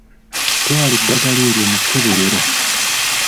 Twala eddagala eryo mu kkeberero.